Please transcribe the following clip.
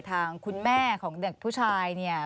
ทางคุณแม่ของเด็กผู้ชายเนี่ย